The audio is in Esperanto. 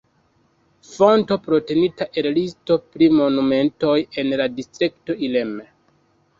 Fonto prenita el listo pri monumentoj en la Distrikto Ilm.